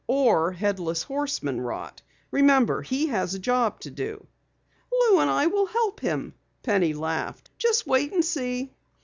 "Or Headless Horseman rot. Remember, he has a job to do." "Lou and I will help him," Penny laughed. "Just wait and see!"